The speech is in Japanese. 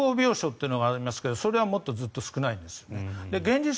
だから、そういう意味で即応病床というのがありますがそれはもっとずっと少ないんですね。